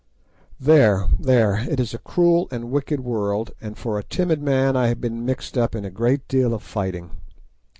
There, there, it is a cruel and a wicked world, and for a timid man I have been mixed up in a great deal of fighting.